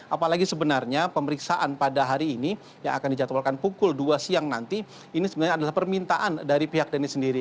apalagi sebenarnya pemeriksaan pada hari ini yang akan dijadwalkan pukul dua siang nanti ini sebenarnya adalah permintaan dari pihak denny sendiri